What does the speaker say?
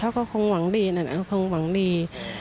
เขาก็คงหวังดีนั่นคงหวังดี